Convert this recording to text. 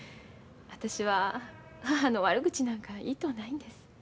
私は母の悪口なんか言いとうないんです。